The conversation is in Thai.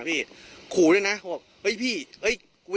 โหนขูดังว่าเห้ยพี่